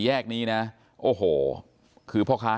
โปรดติดตามต่อไป